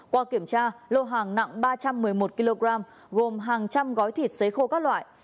qua kiểm tra lô hàng nặng ba trăm một mươi một kg gồm hàng trăm gói thịt xế khô các loại